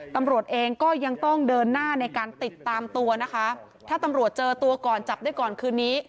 ตำรวจเองก็ยังต้องเดินหน้าในการติดตามตัวนะคะถ้าตำรวจเจอตัวก่อนจับได้ก่อนคืนนี้